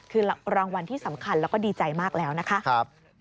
คือรางวัลที่สำคัญแล้วก็ดีใจมากแล้วนะคะ